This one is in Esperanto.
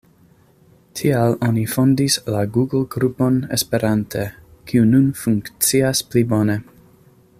Tial oni fondis la google-grupon esperante, kiu nun funkcias pli bone.